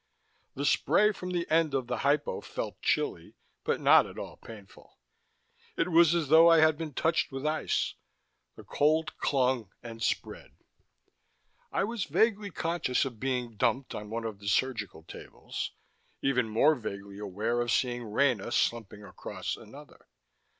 The spray from the end of the hypo felt chilly, but not at all painful. It was as though I had been touched with ice; the cold clung, and spread. I was vaguely conscious of being dumped on one of the surgical tables, even more vaguely aware of seeing Rena slumping across another.